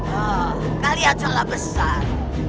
oh kalian salah besar